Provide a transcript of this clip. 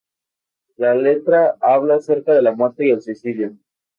La letra habla acerca de la muerte y el suicidio.